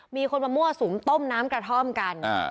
มีคนมามั่วสุมต้มน้ำกระท่อมกัน